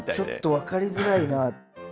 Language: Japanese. ちょっと分かりづらいな。